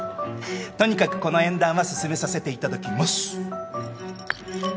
とにかくこの縁談は進めさせていただきます。